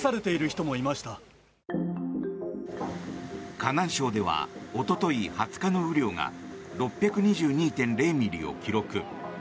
河南省では、一昨日２０日の雨量が６２２．０ミリを記録。